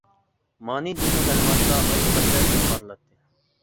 مانى دىنىنىڭ تەلىماتىدا ئاي مۇقەددەس دەپ قارىلاتتى.